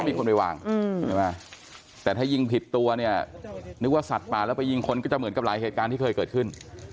มีคนไปวางใช่ไหมแต่ถ้ายิงผิดตัวเนี่ยนึกว่าสัตว์ป่าแล้วไปยิงคนก็จะเหมือนกับหลายเหตุการณ์ที่เคยเกิดขึ้น